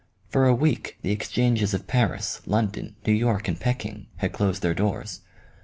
For a week the exchanges of Paris, London, New York and Pek in, had closed their doors.